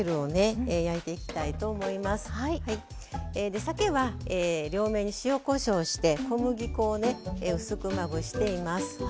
でさけは両面に塩・こしょうして小麦粉をね薄くまぶしています。